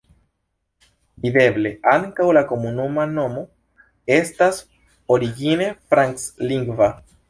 Videble ankaŭ la komunuma nomo estas origine franclingva.